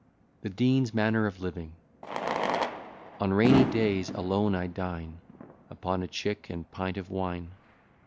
THE DEAN'S MANNER OF LIVING On rainy days alone I dine Upon a chick and pint of wine.